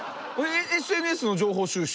ＳＮＳの情報収集